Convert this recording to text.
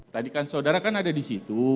tadi kan saudara kan ada di situ